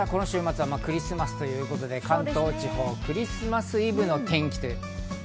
この週末はクリスマスということで関東地方、クリスマスイブの天気。